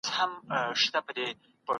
دا سند ستاسو د مهارت ثبوت دی.